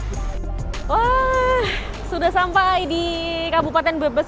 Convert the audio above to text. wah sudah sampai di kabupaten brebes